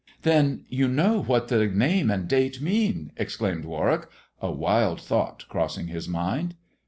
"Then you know what the name and date mean?" exclaimed Warwick, a wild thought crossing his mind.